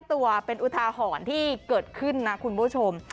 ตัวเป็นอุทาหรณ์ที่เกิดขึ้นนะคุณผู้ชม